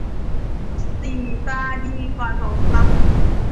สี่ตาดีกว่าสองตา